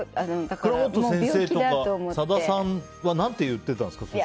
倉本先生や、さださんはなんて言ってたんですか？